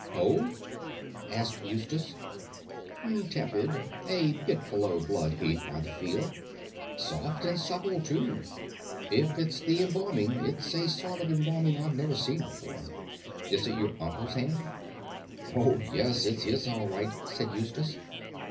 "Cold?" asked Eustace. "Tepid. A bit below blood heat by the feel. Soft and supple too. If it's the embalming, it's a sort of embalming I've never seen before. Is it your uncle's hand?" "Oh, yes, it's his all right," said Eustace.